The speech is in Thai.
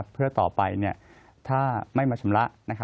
เพื่อต่อไปถ้าไม่มาชำระ